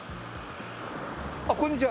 あっこんにちは！